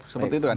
seperti itu kan